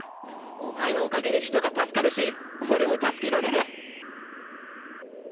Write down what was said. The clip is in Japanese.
お前のおかげで人が助かるし俺も助けられる。